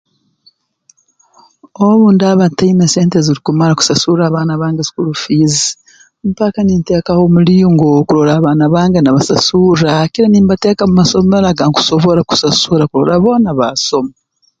Obu ndaaba ntaine sente ezirukumara kusasurra abaana bange school fees mpaka ninteekaho omulingo kurora abaana bange nabasasurra haakire nimbateeka mu masomero agansobora kusasura kurora boona baasoma